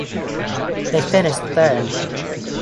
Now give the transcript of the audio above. They finished third.